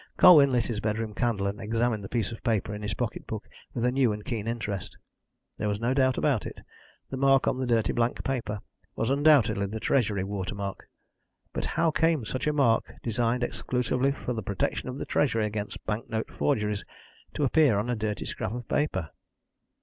Colwyn lit his bedroom candle, and examined the piece of paper in his pocket book with a new and keen interest. There was no doubt about it, the mark on the dirty blank paper was undoubtedly the Treasury watermark. But how came such a mark, designed exclusively for the protection of the Treasury against bank note forgeries, to appear on a dirty scrap of paper?